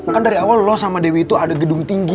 kan dari awal lo sama dewi itu ada gedung tinggi